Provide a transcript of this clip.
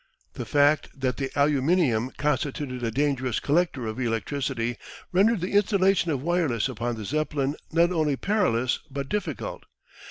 The fact that the aluminium constituted a dangerous collector of electricity rendered the installation of wireless upon the Zeppelin not only perilous but difficult.